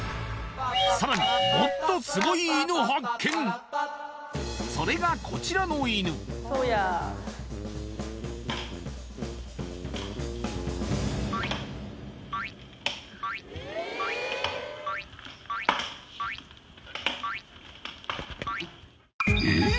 さらにそれがこちらの犬えっ？